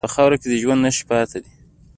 په خاوره کې د ژوند نښې پاتې دي.